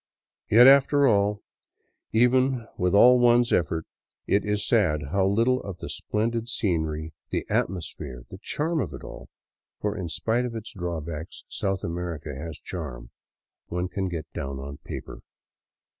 Yet after all, even with all one's effort, it is sad how little of the splendid scenery, the atmosphere, the charm of it all — for in spite of its draw backs. South America has charm — one can get down on paper.